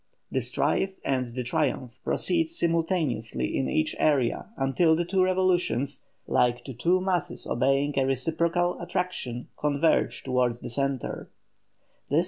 The strife and the triumph proceed simultaneously in each area until the two revolutions, like to two masses obeying a reciprocal attraction, converge towards the centre.